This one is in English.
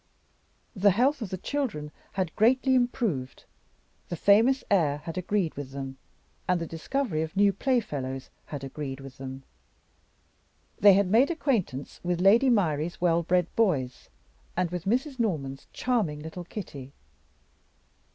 The health of the children had greatly improved; the famous air had agreed with them, and the discovery of new playfellows had agreed with them. They had made acquaintance with Lady Myrie's well bred boys, and with Mrs. Norman's charming little Kitty.